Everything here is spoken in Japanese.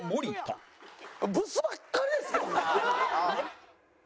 ブスばっかりですけどね！